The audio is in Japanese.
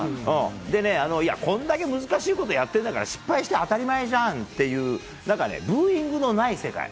でね、こんだけ難しいことやってんだから、失敗して当たり前じゃんっていう、なんかね、ブーイングのない世界。